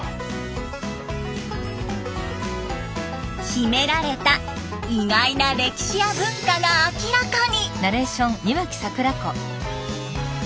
秘められた意外な歴史や文化が明らかに！